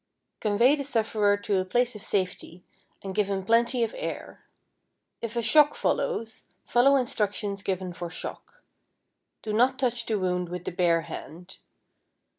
= Convey the sufferer to a place of safety, and give him plenty of air. If a shock follows, follow instructions given for shock. Do not touch the wound with the bare hand.